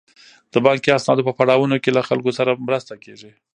د بانکي اسنادو په پړاوونو کې له خلکو سره مرسته کیږي.